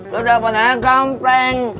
lo udah pernah nanya kampleng